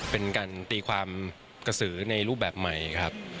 เป็นการตีความกระสือในรูปแบบใหม่ครับ